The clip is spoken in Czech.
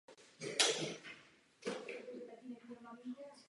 Toto dílo vyšlo v českém překladu pod názvem Nejistota a odhodlání.